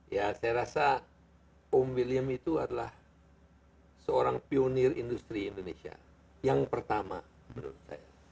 ya saya rasa om william itu adalah seorang pionir industri indonesia yang pertama menurut saya